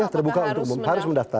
terbuka untuk umum begitu